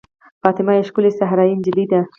فاطمه یوه ښکلې صحرايي نجلۍ ده.